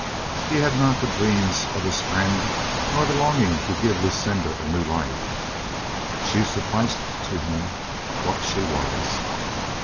He had not the dreams of his friend nor the longing to give Lucinda a new life. She sufficed to him what she was.